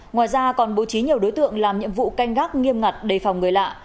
ngoài ra còn bố trí nhiều đối tượng làm nhiệm vụ canh gác nghiêm ngặt đề phòng người lạ